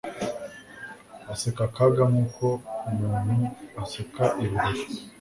Aseka akaga nkuko umuntu aseka ibirori